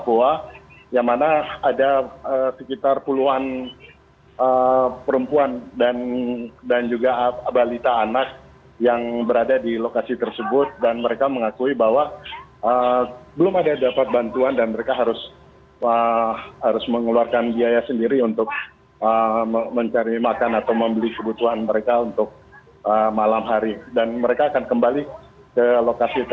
untuk para pengusaha